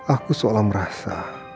aku seolah merasa